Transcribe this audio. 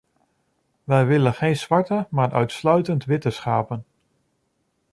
Wij willen geen zwarte, maar uitsluitend witte schapen.